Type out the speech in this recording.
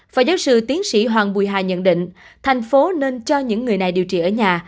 phó giáo sư tiến sĩ hoàng bùi hà nhận định thành phố nên cho những người này điều trị ở nhà